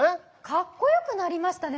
かっこよくなりましたね